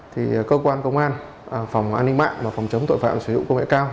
thì cơ quan công an phòng an ninh mạng và phòng chống tội phạm sử dụng công nghệ cao